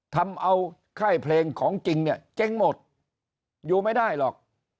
ทำเอาค่ายเพลงของจริงเนี่ยเจ๊งหมดอยู่ไม่ได้หรอก